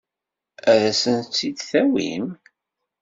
Ad asent-tt-id-tawim?